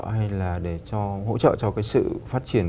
hay là để cho hỗ trợ cho cái sự phát triển